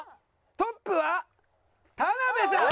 トップは田辺さん！